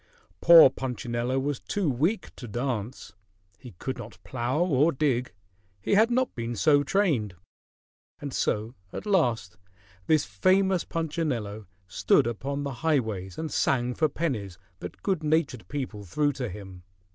Poor Punchinello was too weak to dance; he could not plow or dig; he had not been so trained. And so at last this famous Punchinello stood upon the highways and sang for pennies that good natured people threw to him.